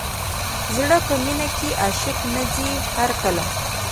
زړه په مینه کې عاشق نه ځي هر کله.